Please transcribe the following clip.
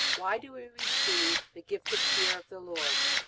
Why do we receive the gift of Fear of the Lord?